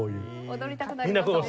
踊りたくなりますね。